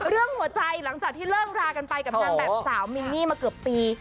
เรื่องหัวใจหลังจากที่เลิกรากันไปกับนางแบบสาวมินนี่มาเกือบปี